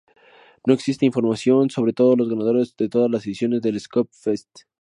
No existe información sobre todos los ganadores de todas las ediciones del Skopje Fest.